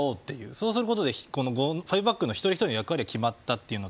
そうすることでファイブバックの一人一人の役割が決まって。